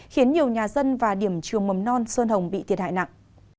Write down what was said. khiến nhiều nhà dân và điểm trường mầm non xuân hồng bị thiệt hại nặng